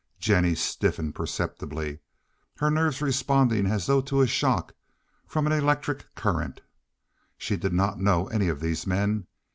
Jennie stiffened perceptibly, her nerves responding as though to a shock from an electric current. She did not know any of these men.